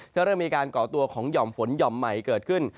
เริ่มมีการก่อตัวของหย่อมฝนหย่อมใหม่เกิดขึ้น